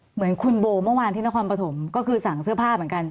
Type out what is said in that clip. เหมือนคุณโบเมื่อวานที่นครปฐมก็คือสั่งเสื้อผ้าเหมือนกัน